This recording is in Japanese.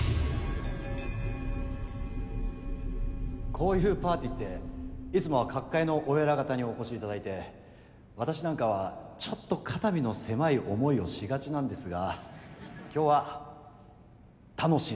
こういうパーティーっていつもは各界のお偉方にお越しいただいて私なんかはちょっと肩身の狭い思いをしがちなんですが今日は楽しいです。